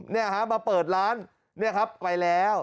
มาเปิดร้านนี่ครับไปแล้ว